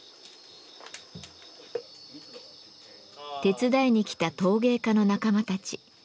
手伝いに来た陶芸家の仲間たち。